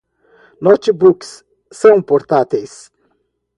Notebooks são portáteis